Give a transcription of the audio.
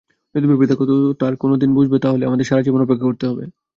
যদি ভেবে থাকো তারা কোনো একদিন বুঝবে, তাহলে আমাদের সারাজীবন অপেক্ষা করতে হবে।